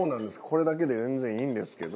これだけで全然いいんですけど。